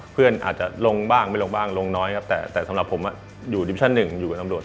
เพื่อนอาจจะลงบ้างไม่ลงบ้างลงน้อยครับแต่สำหรับผมอยู่ดิวิชั่นหนึ่งอยู่กับตำรวจ